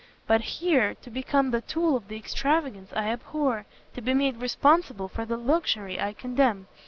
but here, to become the tool of the extravagance I abhor! to be made responsible for the luxury I condemn!